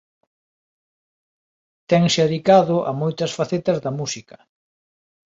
Tense adicado a moitas facetas da Música.